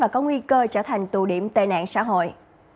cơ trở thành tù điểm tê nạn xã hội